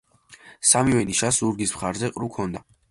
სამივე ნიშას ზურგის მხარე ყრუ ჰქონდა.